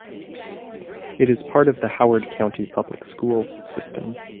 It is part of the Howard County Public Schools system.